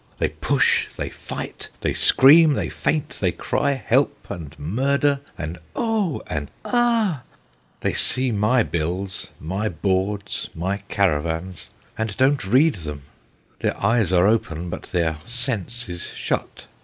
They push, they fight, they scream, they faint, they cry help ! and murder ! and oh ! and ah ! They see my bills, my boards, my caravans, and don't POOR HAYDON? 239 read them. Their eyes are open, but their sense is shut.